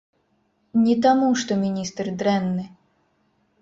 Не таму, што міністр дрэнны.